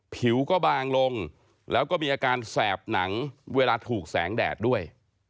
ผิวก็บางลงแล้วก็มีอาการแสบหนังเวลาถูกแสงแดดด้วย